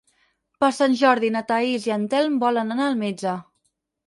Per Sant Jordi na Thaís i en Telm volen anar al metge.